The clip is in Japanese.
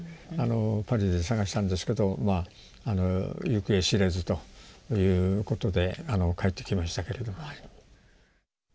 パリで探したんですけど行方知れずということで帰ってきましたけれども。